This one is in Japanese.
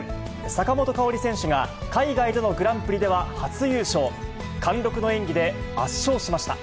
坂本花織選手が、海外でのグランプリでは初優勝、貫禄の演技で、圧勝しました。